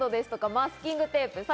マスキングテープとか。